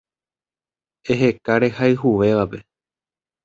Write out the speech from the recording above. Eheka rehayhuvévape